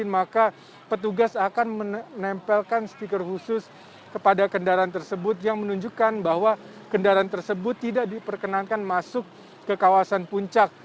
maka petugas akan menempelkan stiker khusus kepada kendaraan tersebut yang menunjukkan bahwa kendaraan tersebut tidak diperkenankan masuk ke kawasan puncak